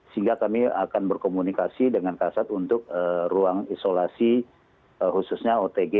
sehingga kami akan berkomunikasi dengan kasat untuk ruang isolasi khususnya otg